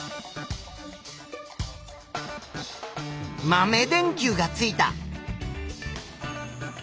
豆電球がついた。